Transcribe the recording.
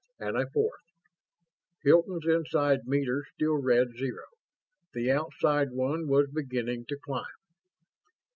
And a fourth. Hilton's inside meter still read zero. The outside one was beginning to climb.